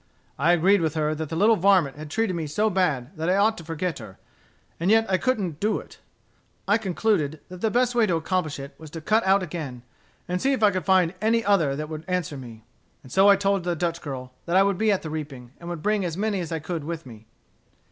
I agreed with her that the little varmint had treated me so bad that I ought to forget her, and yet I couldn't do it. I concluded that the best way to accomplish it was to cut out again, and see if I could find any other that would answer me; and so I told the Dutch girl that I would be at the reaping, and would bring as many as I could with me."